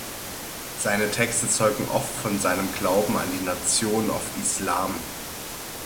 Seine Texte zeugen oft von seinem Glauben an die Nation of Islam.